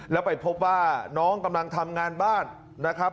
แล้วไปพบว่าน้องกำลังทำงานบ้านนะครับ